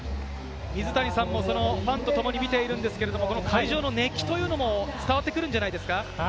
水谷さんもファンとともに見ているんですけれども、会場の熱気というのも伝わってくるんじゃないですか？